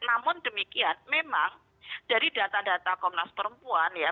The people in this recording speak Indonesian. namun demikian memang dari data data komnas perempuan ya